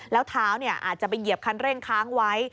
แล้วเท้าอาจจะไปเหยียบคันเร่งค้างไว้